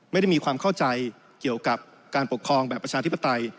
ไม่ได้มีความเข้าใจเกี่ยวกับการปกครองแบบประชาธิปไตย